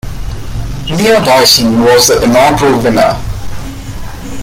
Mia Dyson was the inaugural winner.